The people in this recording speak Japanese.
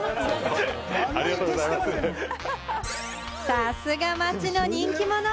さすが街の人気者！